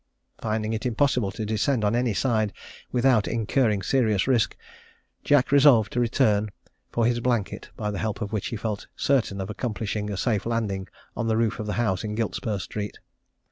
Finding it impossible to descend on any side, without incurring serious risk, Jack resolved to return for his blanket, by the help of which he felt certain of accomplishing a safe landing on the roof of the house in Giltspur street.